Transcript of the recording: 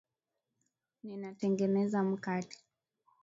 Ninatengeneza mkate.